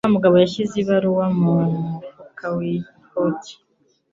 Wa mugabo yashyize ibaruwa mu mufuka w'ikoti.